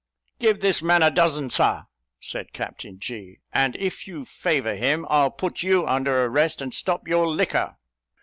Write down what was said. "Give this man a dozen, Sir," said Captain G.; "and if you favour him, I'll put you under arrest, and stop your liquor."